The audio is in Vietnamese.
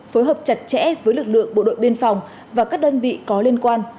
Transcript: phối hợp chặt chẽ với lực lượng bộ đội biên phòng và các đơn vị có liên quan